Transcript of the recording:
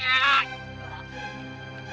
tidak tidak tidak